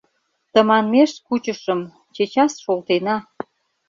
— Тыманмеш кучышым, чечас шолтена.